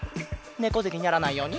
ねこぜにならないように！